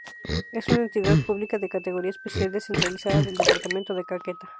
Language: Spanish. Es una entidad pública de categoría especial, descentralizada del departamento de Caquetá.